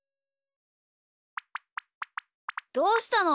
どうしたの？